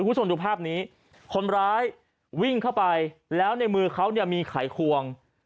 คุณผู้ชมดูภาพนี้คนร้ายวิ่งเข้าไปแล้วในมือเขาเนี่ยมีไขควง